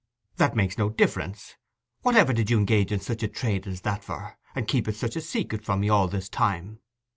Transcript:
'That makes no difference. Whatever did you engage in such a trade as that for, and keep it such a secret from me all this time?